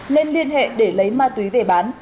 nên liên hệ để lấy ma túy về bán